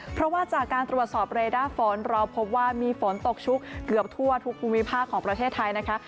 เพราะว่าจากการตรวจสอบเรด้าฝนเราพบว่ามีฝนตกชุกเกือบทั่วทุกภูมิภาคของประเทศไทยนะคะ